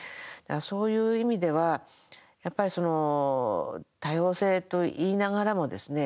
そういう意味では多様性と言いながらもですね